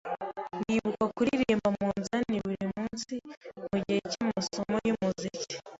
Ndibuka kuririmba umunzani burimunsi mugihe cyamasomo yumuziki.